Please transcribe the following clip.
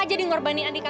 aduh what sih ra